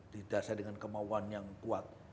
didasai dengan kemauan yang kuat